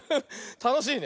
たのしいね。